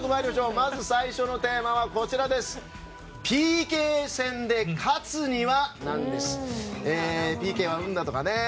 まず最初のテーマはＰＫ戦で勝つには？